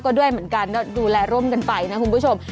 ก็ด้วยเหมือนกันก็ดูแลร่วมกันไปนะคุณผู้ชม